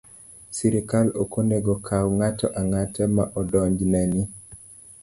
Sirkal ok onego okaw ng'ato ang'ata ma odonjne ni